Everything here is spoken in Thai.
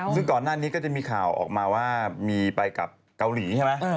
ซึ่งก่อนหน้านี้ก็จะมีข่าวออกมาว่ามีไปกับเกาหลีใช่ไหม